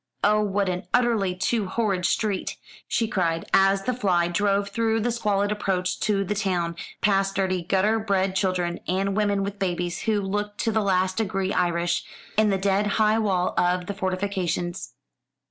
Oh what an utterly too horrid street!" she cried, as the fly drove through the squalid approach to the town, past dirty gutter bred children, and women with babies, who looked to the last degree Irish, and the dead high wall of the fortifications.